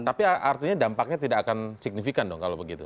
tapi artinya dampaknya tidak akan signifikan dong kalau begitu